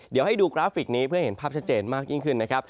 เดี๋ยวให้ดูกราฟิกนี้เพื่อเห็นภาพชัดเจนมากยิ่งขึ้นนะครับ